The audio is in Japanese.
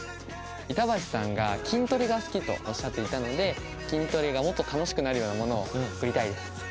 板橋さんが筋トレが好きとおっしゃっていたので筋トレがもっと楽しくなるようなものを贈りたいです。